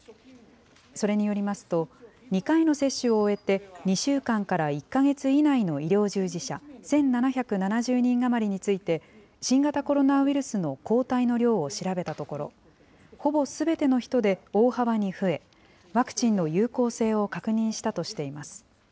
それによりますと、２回の接種を終えて２週間から１か月以内の医療従事者１７７０人余りについて、新型コロナウイルスの抗体の量を調べたところ、ほぼすべての人で大幅に増え、ワクチンの有効性を確認したとしています。